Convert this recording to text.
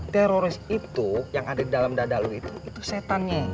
teroris itu yang ada di dalam dadalu itu itu setannya